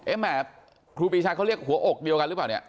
แหมครูปีชาเขาเรียกหัวอกเดียวกันหรือเปล่าเนี่ย